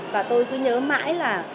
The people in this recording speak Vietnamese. và tôi cứ nhớ mãi là